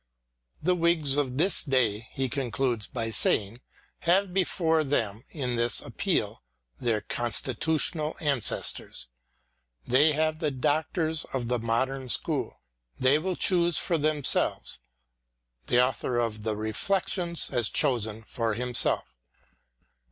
The Whigs of this day, he concludes by saying, have before them in this appeal their constitu^ tional ancestors : they have the doctors of the modern school. They will choose for themselves. The author of the " Reflections " has chosen for himself.